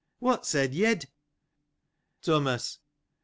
— What said Yed? Thomas.